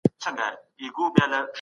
حکومت به نوي سړکونه او پلونه جوړ کړي.